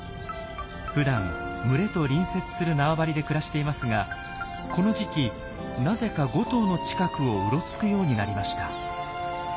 ふだん群れと隣接する縄張りで暮らしていますがこの時期なぜか５頭の近くをうろつくようになりました。